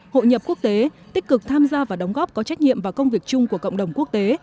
hội nhập quốc tế tích cực tham gia và đóng góp có trách nhiệm vào công việc chung của cộng đồng quốc tế